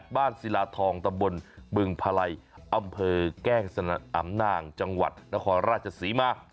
ศิลาทองตำบลบึงพลัยอำเภอแกล้งอำนางจังหวัดนครราชศรีมา